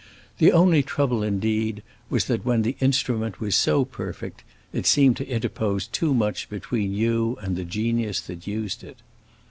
The only trouble, indeed, was that when the instrument was so perfect it seemed to interpose too much between you and the genius that used it.